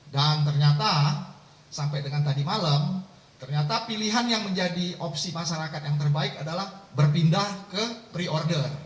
dan ternyata sampai dengan tadi malam ternyata pilihan yang menjadi opsi masyarakat yang terbaik adalah berpindah ke pre order